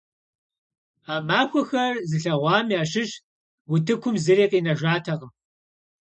A maxuexer zılheğuaxem yaşış vutıkum zıri khinejjatekhım.